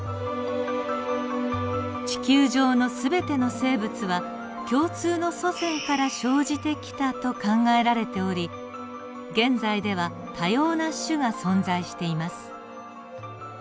地球上の全ての生物は共通の祖先から生じてきたと考えられており現在では多様な種が存在しています。